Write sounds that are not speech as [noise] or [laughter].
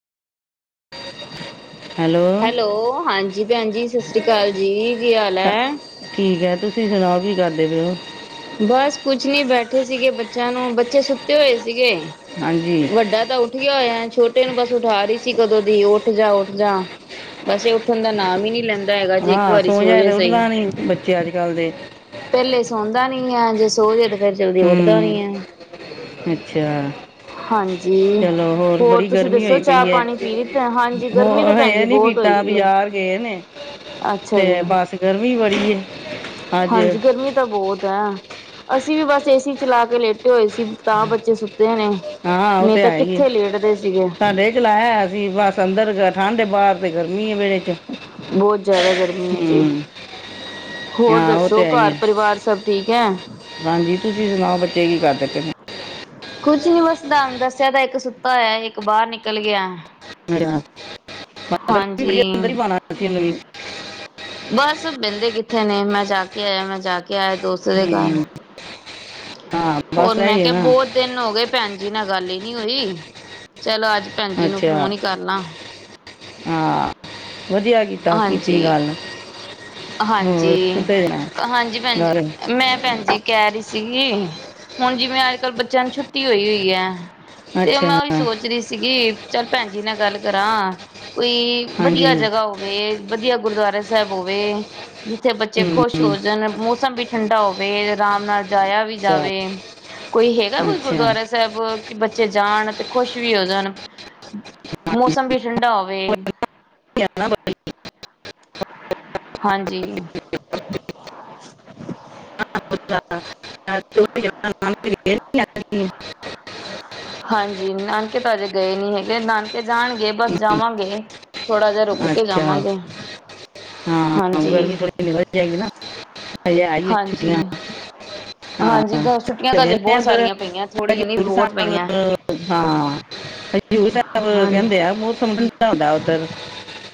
[unintelligible] Hello ਹਾਂਜੀ ਭੈਣ ਜੀ, ਸਤਿ ਸ਼੍ਰੀ ਅਕਾਲ ਜੀ, ਕੀ ਹਾਲ ਸ- ਹੈ। ਠੀਕ ਹੈ, ਤੁਸੀਂ ਸੁਣਾਓ, ਕੀ ਕਰਦੇ ਪਏ ਉਹ? ਬਸ ਕੁਛ ਨੀ ਬੈਠੇ ਸੀਗੇ। ਬੱਚਿਆਂ ਨੂੰ, ਬੱਚੇ ਸੁੱਤੇ ਹੋਏ ਸੀਗੇ। ਹਾਂਜੀ ਵੱਡਾ ਤਾਂ ਉੱਠ ਗਿਆ ਹੋਇਆ। ਛੋਟੇ ਨੂੰ ਬਸ ਉਠਾ ਰਹੀ ਸੀ। ਕਦੋਂ ਦੀ ਉੱਠ ਜਾ- ਉੱਠ ਜਾ। ਬਸ ਏ ਉੱਠਣ ਦਾ ਨਾਮ ਹੀ ਨਹੀਂ ਲੈਂਦਾ ਹੈਗਾ। ਜੇ ਇੱਕ ਹਾਂ ਵਾਰੀ ਸੋ ਜਾਏ ਜੇ ਤਾਂ ਸਹੀ। ਉੱਠਦਾ ਨਹੀਂ ਬੱਚੇ ਅੱਜ ਕੱਲ ਦੇ- ਪਹਿਲੇ ਸੌਦਾ ਨੀ ਏ। ਜੇ ਸੋ ਜੇ, ਤਾਂ ਫੇਰ ਜਲਦੀ ਉੱਠਦਾ ਹੂੰ ਨੀ ਏ। ਅੱਛਾ। ਚਲੋ ਹੋਰ ਬੜੀ ਤੁਸੀਂ ਗਰਮੀ ਦੱਸੋ ਹੋਈ ਚਾਹ ਪਈ ਹੈ। ਪਾਣੀ ਪੀ ਲਿੱਤਾ ਹਾਂਜੀ ਗਰਮੀ ਤਾਂ ਹੋਰ ਭੈਣ ਜੀ ਹੈਆ ਨੀ ਪੀ। ਬਹੁਤ ਹੋਈ ਤਾਂ ਪਈ ਹੈ ਬਜ਼ਾਰ ਗਏ ਨੇ। ਅੱਛਾ ਤੇ ਜੀ। ਬਸ ਗਰਮੀ ਬੜ ਹੈ। ਅੱਜ ਹਾਂਜੀ ਗਰਮੀ ਤਾਂ ਬਹੁਤ ਹੈ। ਅਸੀਂ ਵੀ ਬਸ ਏਸੀ ਚਲਾ ਕੇ ਲੇਟੇ ਹੋਏ ਸੀ। ਤਾਂ ਬੱਚੇ ਸੁ- ਹਾਂ ਉਹ ਤੇ ਹੈ ਹੀ ਆ। ਸੀਗੇ ਸਾਡੇ ਵੀ ਚਲਾਆ ਹੋਣੇਆ ਸੀ ਬਸ। ਸੰਦਰ ਠੰਡ, ਬਾਹਰ ਤੇ ਗਰਮੀ ਹੈ ਵੇੜੇ ਚ। ਬਹੁਤ ਜ਼ਿਆਦਾ ਗਰਮੀ ਹੈ ਜੀ। ਹੂੰ ਹੋਰ ਹਾਂ ਉਹ ਦੱਸੋ, ਤੇ ਹੈ ਹੀ ਘਰ- ਹੈ ਪਰਿਵਾਰ ਸਭ ਠੀਕ ਹੈ? ਹਾਂਜੀ, ਤੁਸੀਂ ਸੁਣਾਓ ਬੱਚੇ ਕੀ ਕਰਦੇ ਪਏ ਨੇ। ਕੁਛ ਨੀ ਬੱਸ ਤੁਹਾਨੂੰ ਦੱਸਿਆ ਤਾਂ ਇੱਕ ਸੁੱਤਾ ਹੈ, ਇੱਕ ਬਾਹਰ ਨਿਕਲ ਗਿਆ। ਪਾ ਹਾਂਜੀ। [unintelligible] ਬਸ ਮਿਲਦੇ ਕਿੱਥੇ ਨੇ। ਮੈਂ ਜਾ ਕੇ ਆਇਆ- ਮੈਂ ਜਾ ਕੇ ਆਇਆ ਦੋਸਤ ਦੇ ਘਰ। ਹਮ, ਹਾਂ ਹੋਰ ਬਸ ਮੈਂ ਇਹੀ ਹੈ ਕਿਹਾ, ਬਹੁਤ ਨਾ ਦਿਨ ਹੋ ਗਏ। ਭੈਣ ਜੀ ਨਾਲ ਗੱਲ ਹੀ ਨੀ ਹੋਈ। ਚਲੋ ਅੱਜ, ਭੈਣ ਜੀ ਨੂੰ, ਅੱਛਾ ਫੋਨ ਹੀ ਕਰ ਲਾ। ਹਾਂ ਵਧੀਆ ਕੀਤਾ। ਕੀਤੀ ਹਾਂਜੀ ਗੱਲ। ਹੋਰ ਹਾਂਜੀ, ਕਿੱਥੇ ਜਾਣਾ ਹਾਂਜੀ ਭੈਣਜੀ, ਗੱਲ ਮੈਂ ਭੈਣ ਜੀ। ਕਹਿ ਰਹੀ ਸੀਗੀ। ਹੁਣ ਜਿਵੇਂ ਅੱਜ ਕੱਲ ਬੱਚਿਆਂ ਨੂੰ ਛੁੱਟੀ ਹੋਈ, ਹੋਈ ਹੈ। ਤੇ ਅੱਛਾ ਮੈਂ ਸੋਚ ਰਹੀ ਸੀਗੀ ਚੱਲ ਭੈਣ ਜੀ ਨਾਲ ਗੱਲ ਕਰਾਂ। ਕੋਈ ਹਾਂਜੀ ਵਧੀਆ ਹਮ, ਜਗਾ, ਉਹ ਵਧੀਆ ਗੁਰਦੁਆਰਾ ਸਾਹਿਬ, ਹੋਵੇ ਜਿੱਥੇ ਬੱਚੇ ਖੁਸ਼। ਹਮ, ਹੋ ਜਨ। ਮੌਸਮ ਵੀ ਠੰਡਾ ਹੋਵੇ, ਆਰਾਮ ਨਾਲ ਜਾਇਆ ਵੀ ਅੱਛਾ ਜਾਵੇ। ਕੋਈ ਹੈਗਾ ਕੋਈ ਅੱਛਾ ਗੁਰਦੁਆਰਾ। ਸਾਹਿਬ ਕਿ ਬੱਚੇ ਜਾਣ ਤੇ ਖੁਸ਼ ਵੀ ਹੋ ਜਾਣ। ਮੌਸਮ ਵੀ ਠੰਡਾ ਹੋਵੇ। [unintelligible] ਹਾਂਜੀ। ਅੱਛ [unintelligible] ਹ [unintelligible] ਹਾਂਜੀ, ਨਾਨਕੇ ਤਾਂ ਅਜੇ ਗਏ ਨੀ ਹੈਗੇ। ਨਾਨਕੇ ਜਾਣਗੇ ਬਸ ਜਾਵਾਂਗੇ ਥੋੜਾ ਜਿਹਾ। ਰੁਕ ਕੇ ਅੱਛਾ ਜਾਵਾਂਗੇ। ਹਾਂ ਹਾਂਜੀ। ਗਰਮੀ ਥੋੜੀ ਵਧ ਜਾਏਗੀ ਨਾ। ਹਜੇ ਆਈ ਹੈ ਛੁਟੀਆਂ। ਹਾਂਜੀ ਹਾਂਜੀ, ਛੁੱਟੀਆਂ ਤਾਂ ਅਜੇ ਬਹੁਤ ਸਾਰੀਆਂ ਪਈਆਂ। ਥੋੜੀ ਨੀ ਹਜੂਰ ਬਹੁਤ ਸਾਹਿਬ ਪਈਆਂ। ਹਾਂ ਸਾਹਿਬ ਹਾਂਜੀ। ਕਹਿੰਦੇ ਆ, ਮੌਸਮ ਕਿ ਬਹੁਤ ਠੰਡਾ ਹੁੰਦਾ ਉਧਰ।